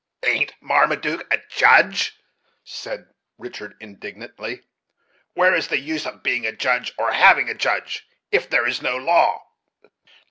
"Ain't Marmaduke a judge?" said Richard indignantly. "Where is the use of being a judge, or having a judge, if there is no law?